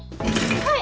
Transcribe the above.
はい！